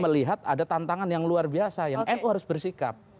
melihat ada tantangan yang luar biasa yang nu harus bersikap